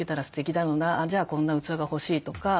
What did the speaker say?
じゃあこんな器が欲しいとか。